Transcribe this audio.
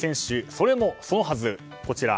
それもそのはず。